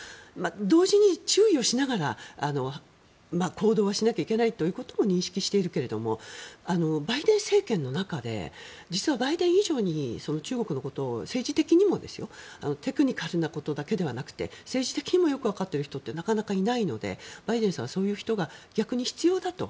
同時に注意をしながら行動はしなきゃいけないということを認識しているけどもバイデン政権の中で実はバイデン以上に中国のことを政治的にもですよテクニカルなことだけではなくて政治的にもよくわかっている人ってなかなかいないのでバイデンさんはそういう人が逆に必要だと。